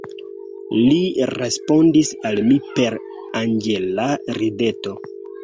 Li respondis al mi per anĝela rideto.